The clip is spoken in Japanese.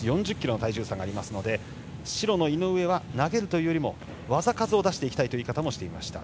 ４０ｋｇの体重差がありますので白の井上は投げるというより技数を出していきたいと言っていました。